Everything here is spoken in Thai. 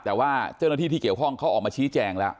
แต่ว่าเจ้าหน้าที่ที่เกี่ยวข้องเขาออกมาชี้แจงแล้ว